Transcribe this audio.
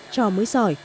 trò mới giỏi